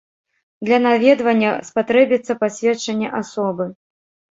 Для наведвання спатрэбіцца пасведчанне асобы.